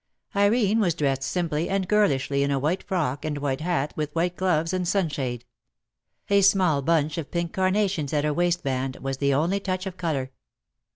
Irene was dressed simply and girlishly in a white frock and white hat with white gloves and sunshade. A small bunch of pink carnations at her waist band was the only touch of colour.